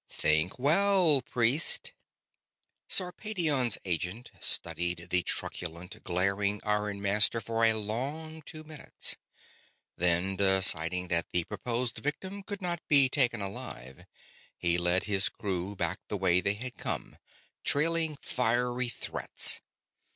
Think well, priest!" Sarpedion's agent studied the truculent, glaring ironmaster for a long two minutes. Then, deciding that the proposed victim could not be taken alive, he led his crew back the way they had come, trailing fiery threats.